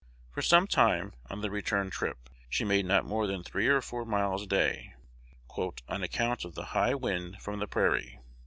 For some time, on the return trip, she made not more than three or four miles a day, "on account of the high wind from the prairie."